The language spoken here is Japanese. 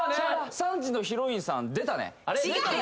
３時のヒロインさん出たね違うよ！